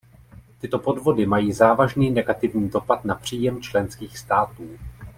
Tyto podvody mají závažný negativní dopad na příjem členských států.